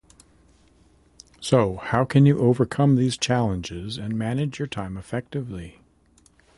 So, how can you overcome these challenges and manage your time effectively?